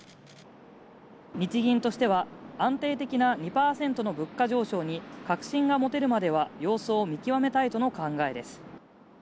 日銀としては、安定的な２％の物価上昇に確信が持てるまでは様子を見極めたいとの考えです。